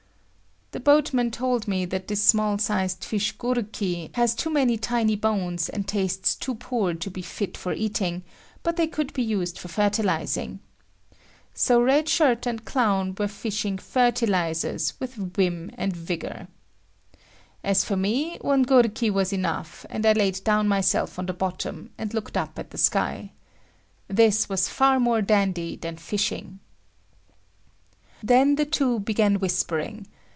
The boatman told me that this small sized fish goruki has too many tiny bones and tastes too poor to be fit for eating, but they could be used for fertilising. So Red Shirt and Clown were fishing fertilisers with vim and vigor. As for me, one goruki was enough and I laid down myself on the bottom, and looked up at the sky. This was far more dandy than fishing. Then the two began whispering.